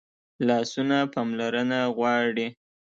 لاسونه پاملرنه غواړي